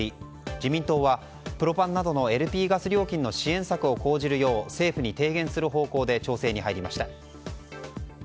自民党はプロパンなどのＬＰガス料金の支援策を講じるよう政府に提言する方向で調整に入りました。